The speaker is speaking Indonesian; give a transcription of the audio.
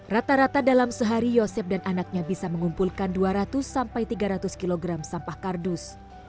rata rata dalam sehari yosep dan anaknya bisa mengumpulkan dua ratus sampai tiga ratus kg sampah kardus